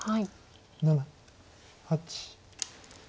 ７８。